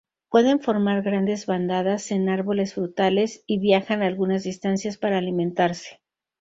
Pueden formar grandes bandadas en árboles frutales, y viajan algunas distancias para alimentarse.